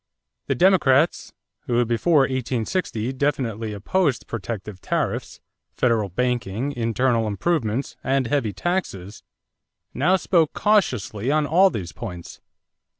The Democrats, who before 1860 definitely opposed protective tariffs, federal banking, internal improvements, and heavy taxes, now spoke cautiously on all these points.